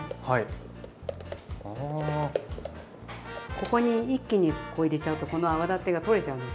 ここに一気にここ入れちゃうとこの泡立てが取れちゃうので。